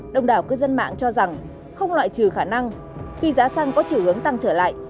đồng đảo cư dân mạng cho rằng không loại trừ khả năng khi giá xăng có chiều hướng tăng trở lại